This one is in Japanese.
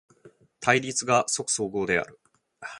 対立が即綜合である。